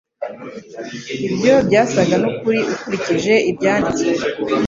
Ibyo byasaga n'ukuri ukurikije ibyanditswe